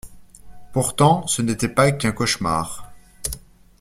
Pourtant ce n'était pas qu'un cauchemar.